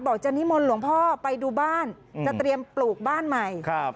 จะนิมนต์หลวงพ่อไปดูบ้านจะเตรียมปลูกบ้านใหม่ครับ